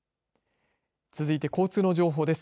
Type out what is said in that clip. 続いて交通の情報です。